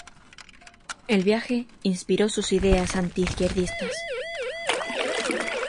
El viaje inspiró sus ideas anti izquierdistas.